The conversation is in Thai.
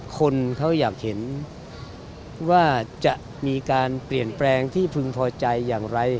คนเขาอยากเห็นว่าจะมีการเปลี่ยนแปลงที่พึงพอใจอย่างไร